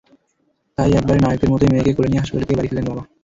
তাই একেবারে নায়কের মতোই মেয়েকে কোলে নিয়ে হাসপাতাল থেকে বাড়ি ফিরলেন বাবা।